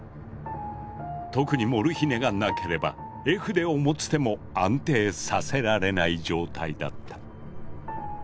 特にモルヒネがなければ絵筆を持つ手も安定させられない状態だった。